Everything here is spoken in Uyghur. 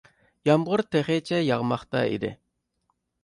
يامغۇر تېخىچە ياغماقتا ئىدى.